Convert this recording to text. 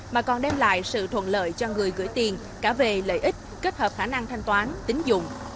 mà còn đem lại sự thuận lợi cho người gửi tiền cả về lợi ích kết hợp khả năng thanh toán tính dụng